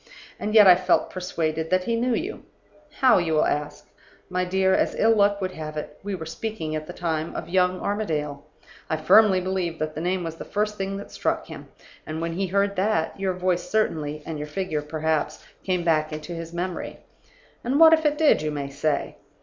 And yet I felt persuaded that he knew you. 'How?' you will ask. My dear, as ill luck would have it, we were speaking at the time of young Armadale. I firmly believe that the name was the first thing that struck him; and when he heard that, your voice certainly and your figure perhaps, came back to his memory. 'And what if it did?' you may say.